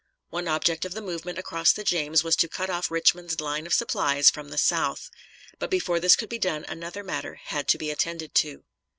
One object of the movement across the James was to cut off Richmond's line of supplies from the south. But before this could be done another matter had to be attended to.